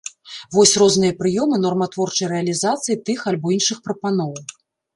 Вось розныя прыёмы норматворчыя рэалізацыі тых альбо іншых прапаноў.